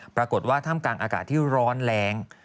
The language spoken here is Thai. ปรากฏว่าท่ามกลางอากาศที่ร้อนแรง